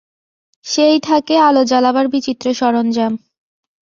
সেই থাকে আলো জ্বালাবার বিচিত্র সরঞ্জাম।